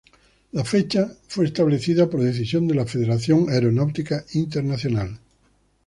La fecha fue establecida por decisión de la Federación Aeronáutica Internacional.